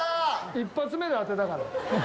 一発目で当てたから。